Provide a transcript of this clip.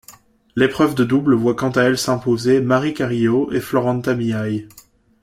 L'épreuve de double voit quant à elle s'imposer Mary Carillo et Florenta Mihai.